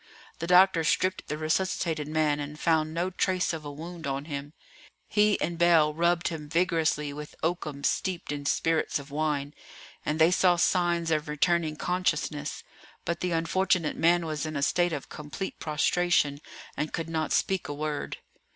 The doctor stripped the resuscitated man and found no trace of a wound on him. He and Bell rubbed him vigorously with oakum steeped in spirits of wine, and they saw signs of returning consciousness; but the unfortunate man was in a state of complete prostration, and could not speak a word.